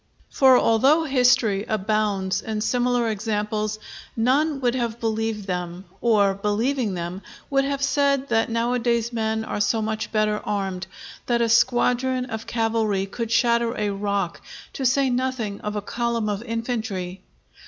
For although history abounds in similar examples, none would have believed them, or, believing them, would have said that nowadays men are so much better armed, that a squadron of cavalry could shatter a rock, to say nothing of a column of infantry.